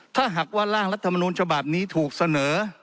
ถ้าหากว่าร่างรัฐมนูลฉบับนี้ถูกเสนอ